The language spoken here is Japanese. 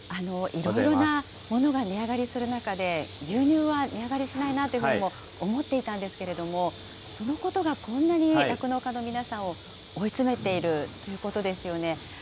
いろいろな物が値上がりする中で、牛乳は値上がりしないなというふうにも思っていたんですけれども、そのことがこんなに酪農家の皆さんを追いつめているということですよね。